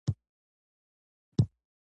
سلام استاده ایا درس ته دوام ورکولی شو